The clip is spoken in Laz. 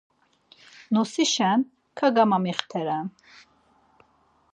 Nosişen kagamamixt̆eren.